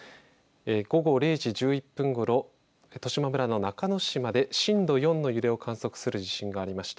午後０時１１分ごろ十島村の中之島で震度４の揺れを観測する地震がありました。